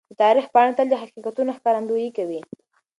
د تاریخ پاڼې تل د حقیقتونو ښکارندويي کوي.